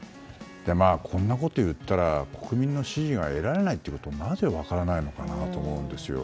こんなことを言ったら国民の支持が得られないことがなぜ分からないのかなと思うんですよ。